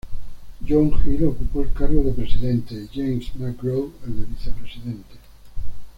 John Hill ocupó el cargo de presidente y James McGraw el de vicepresidente.